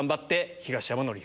東山紀之。